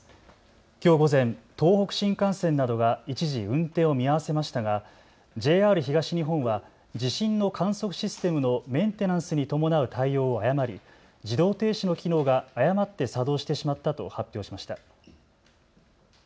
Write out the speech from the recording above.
きょう午前、東北新幹線などが一時、運転を見合わせましたがＪＲ東日本は地震の観測システムのメンテナンスに伴う対応を誤り自動停止の機能が誤って作動してしまったと発表しました。